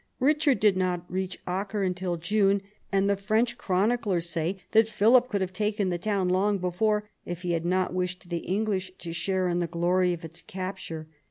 Richard did not reach Acre till June, and the French chroniclers say that Philip could have taken the town long before, if he had not wished the English to share in the glory of its capture.